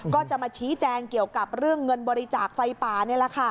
ก็จะมาชี้แจงเกี่ยวกับเรื่องเงินบริจาคไฟป่านี่แหละค่ะ